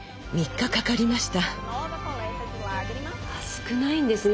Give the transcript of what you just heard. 少ないんですね